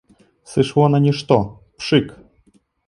Сышло на нішто, пшык!